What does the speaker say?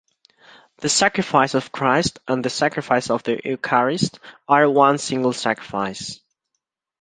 The sacrifice of Christ and the sacrifice of the Eucharist are one single sacrifice.